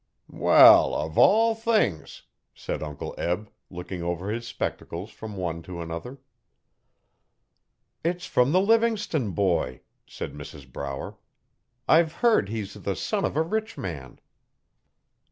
'Wall, of all things!' said Uncle Eb, looking over his spectacles from one to another. 'It's from the Livingstone boy,' said Mrs Brower. 'I've heard he's the son of a rich man.'